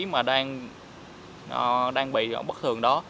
mà đang bị bất thường đó